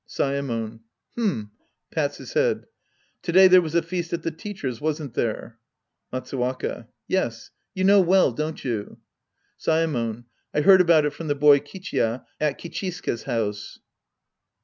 Saemon. H'm. {Pats his head.) To day there was a feast at the teacher's, wasn't there ? Matsuwaka. Yes. You know well, don't you? Saemon. I heard about it from the boy Kichiya at Kichisuke's house.